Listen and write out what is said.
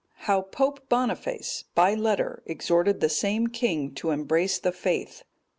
How Pope Boniface, by letter, exhorted the same king to embrace the faith.